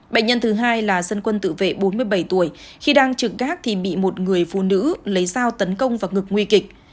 bệnh nhân thứ hai là dân quân tự vệ bốn mươi bảy tuổi khi đang trực gác thì bị một người phụ nữ lấy dao tấn công và ngực nguy kịch